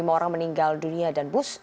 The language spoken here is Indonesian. dua puluh lima orang meninggal dunia dan bus